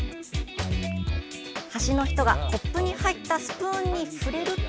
端の人が、コップに入ったスプーンに触れると。